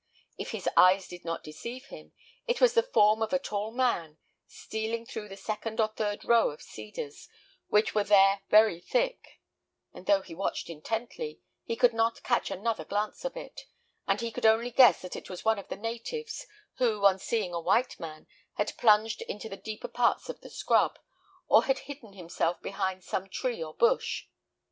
If his eyes did not deceive him, it was the form of a tall man, stealing through the second or third row of cedars, which were there very thick; but though he watched intently, he could not catch another glance of it, and he could only guess that it was one of the natives, who, on seeing a white man, had plunged into the deeper parts of the scrub, or had hidden himself behind some tree or bush.